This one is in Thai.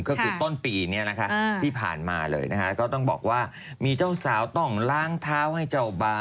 ก็คือต้นปีนี้นะคะที่ผ่านมาเลยนะคะก็ต้องบอกว่ามีเจ้าสาวต้องล้างเท้าให้เจ้าบา